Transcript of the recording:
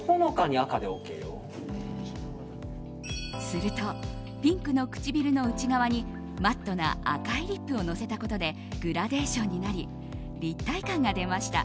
すると、ピンクの唇の内側にマットな赤いリップをのせたことでグラデーションになり立体感が出ました。